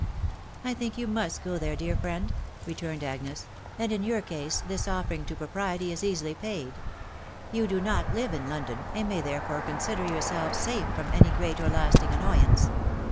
" I think you must go there, dear friend," returned Agnes, " and in your case this offering to propriety is easily paid. You do not Kve in London, and may therefore consider yourselves safe from any great or lasting annoyance.